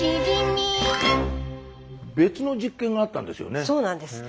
別の実験があったんですよね。